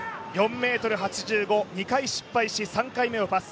４ｍ８５２回失敗し、３回目をパス。